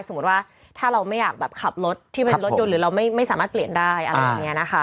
สมมุติว่าถ้าเราไม่อยากแบบขับรถที่เป็นรถยนต์หรือเราไม่สามารถเปลี่ยนได้อะไรอย่างนี้นะคะ